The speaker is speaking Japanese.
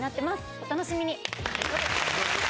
お楽しみに。